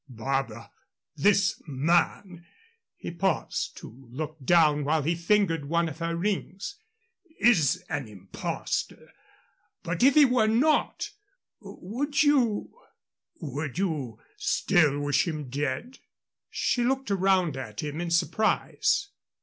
"Barbara, this man" he paused to look down while he fingered one of her rings "is an impostor. But if he were not, would you would you still wish him dead?" She looked around at him in surprise.